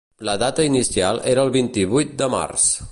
La data inicial era el vint-i-vuit de març.